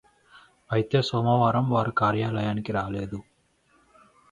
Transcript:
అయితే సోమవారం వారు కార్యలయానికి రాలేదు